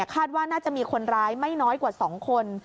คาดว่าน่าจะมีคนร้ายไม่น้อยกว่า๒คน